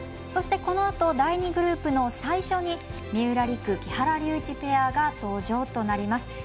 そしてこのあと第２グループの最初に三浦璃来、木原龍一ペアが登場となります。